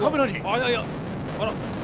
いやいやあら。